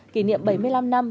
kỷ niệm bảy mươi năm năm